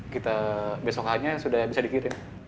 kita besoknya sudah bisa dikirim